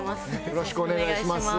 よろしくお願いします。